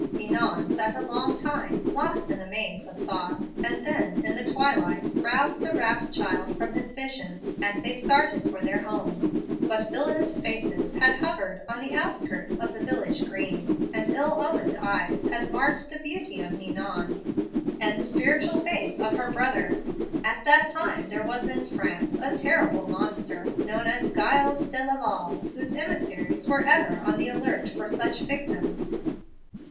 Ninon sat a long time, lost in a maze of thought, and then, in the twilight, roused the rapt child from his visions, and they started for their home. But villainous faces had hovered on the outskirts of the village green, and ill omened eyes had marked the beauty of Ninon and the spiritual face of her brother. At that time there was in France a terrible monster, known as Giles de Laval, whose emissaries were ever on the alert for such victims.